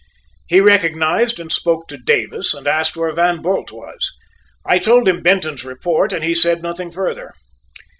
He recognized and spoke to Davis, and asked where Van Bult was. I told him Benton's report, and he said nothing further.